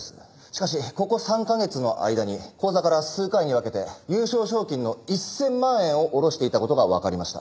しかしここ３カ月の間に口座から数回に分けて優勝賞金の１０００万円を下ろしていた事がわかりました。